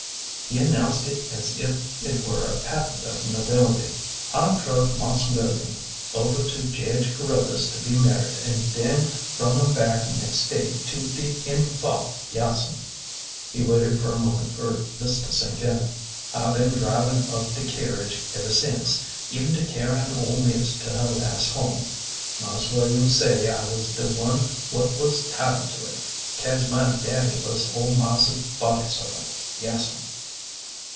He announced it as if it were a patent of nobility. '' I druv Marse William over to Jedge Caruthers to be mar ried and den brung 'em back nex' day to de infa'r. Yaas'm." He waited a moment for this to sink in. I been drivin' of de kerriage ever sence, even to carryin' ole miss to her las' home. Marse William say I was de one what was 'titled to it, caze my daddy was ole marse's body servant. Yaas'm."